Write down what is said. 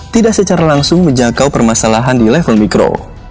tidak secara langsung menjangkau permasalahan di level mikro